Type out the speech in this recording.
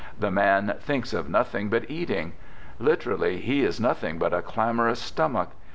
The man thinks of nothing but eating, t Literally he is nothing but a clamorous stomach.